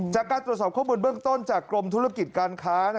จากการตรวจสอบข้อมูลเบื้องต้นจากกรมธุรกิจการค้า